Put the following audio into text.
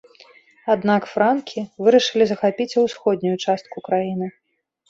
Аднак франкі вырашылі захапіць і ўсходнюю частку краіны.